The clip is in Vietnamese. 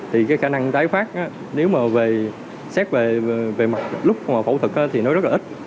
thì cái khả năng tái phát nếu mà về xét về mặt lúc phẫu thuật thì nó rất là ít